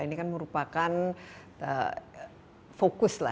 ini kan merupakan fokus